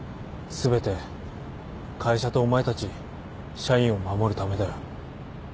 全て会社とお前たち社員を守るためだよ。